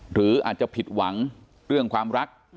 หรืออาจจะผิดหวังเรื่องความรัก